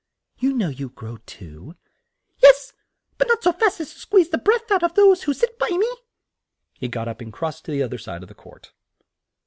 "You know you grow too." "Yes, but not so fast as to squeeze the breath out of those who sit by me." He got up and crossed to the oth er side of the court.